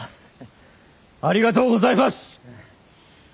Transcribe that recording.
ありがとうございます。